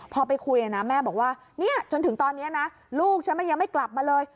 พอไปคุยนะแม่บอกว่าจนถึงตอนนี้นะลูกฉันมันยังไม่กลับมาเลย